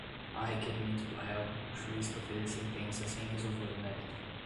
a requerimento do réu, o juiz proferir sentença sem resolver o mérito